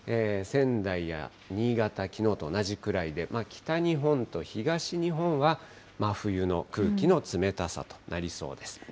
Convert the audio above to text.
仙台や新潟、きのうと同じくらいで、北日本と東日本は真冬の空気の冷たさとなりそうです。